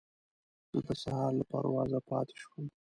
زه د سهار له پروازه پاتې شوم.